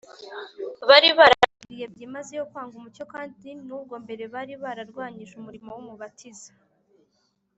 bari baragambiriye byimazeyo kwanga umucyo kandi nubwo mbere bari bararwanyije umurimo w’umubatiza,